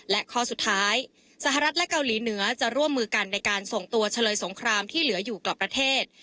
และข้อสุดท้ายสหรัฐและเกาหลีเหนือจะร่วมมือกันในการส่งตัวเฉลยสงครามที่เหลืออยู่กลับประเทศ